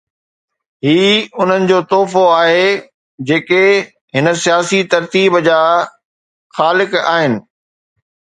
هي انهن جو تحفو آهي جيڪي هن سياسي ترتيب جا خالق آهن.